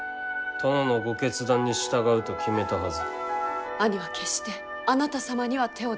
殿のご決断に従うと決めたはず。